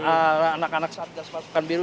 anak anak satgas pasukan biru